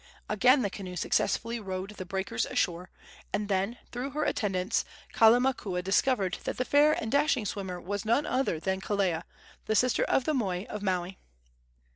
Again the canoe successfully rode the breakers ashore, and then, through her attendants, Kalamakua discovered that the fair and dashing swimmer was none other than Kelea, the sister of the moi of Maui.